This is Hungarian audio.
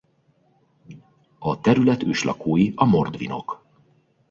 A terület őslakói a mordvinok.